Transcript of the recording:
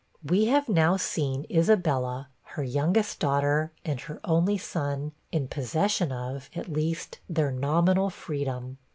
We have now seen Isabella, her youngest daughter, and her only son, in possession of, at least, their nominal freedom.